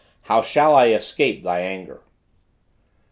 how shall I escape Thy anger."